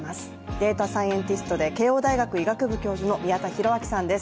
データサイエンティストで慶応大学医学部教授の宮田裕章さんです。